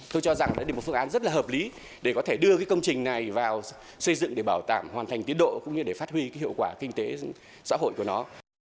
tôi cho rằng đây là một phương án rất là hợp lý để có thể đưa công trình này vào xây dựng để bảo tảm hoàn thành tiến độ cũng như để phát huy hiệu quả kinh tế xã hội của nó